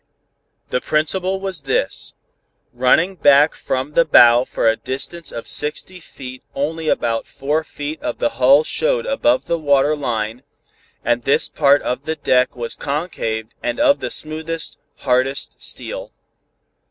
The principle was this: Running back from the bow for a distance of 60 feet only about 4 feet of the hull showed above the water line, and this part of the deck was concaved and of the smoothest, hardest steel.